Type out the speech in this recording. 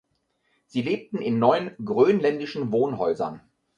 Sie lebten in neun grönländischen Wohnhäusern.